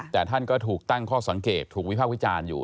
แต่ท่านก็ถูกตั้งข้อสังเกตถูกวิภาควิจารณ์อยู่